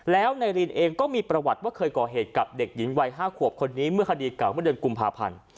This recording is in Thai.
แล้วนายรินเองก็มีประวัติว่าเคยก่อเหตุกับเด็กหญิงวัย๕ขวบคนนี้เมื่อคดีเก่าเมื่อเดือนกุมภาพันธ์